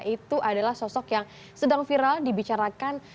itu adalah sosok yang sedang viral dibicarakan